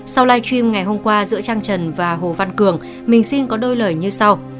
sau live stream ngày hôm qua giữa trang trần và hồ văn cường mình xin có đôi lời như sau